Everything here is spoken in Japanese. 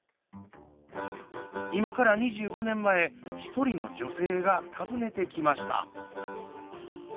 今から２５年前１人の女性が訪ねてきました。